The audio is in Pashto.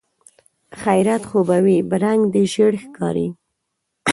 خيرت خو به وي؟ رنګ دې ژېړ ښکاري.